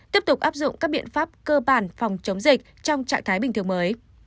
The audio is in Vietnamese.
tiếp tục áp dụng các biện pháp cơ bản phòng chống dịch trong trạng thái bình thường mới